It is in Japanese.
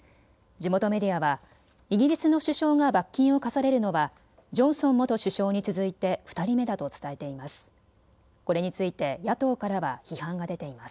地元メディアはイギリスの首相が罰金を科されるのはジョンソン元首相に続いて２人目だと伝えています。